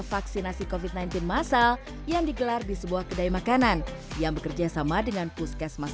vaksinasi covid sembilan belas masal yang digelar di sebuah kedai makanan yang bekerja sama dengan puskesmas